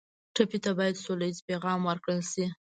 ټپي ته باید سوله ییز پیغام ورکړل شي.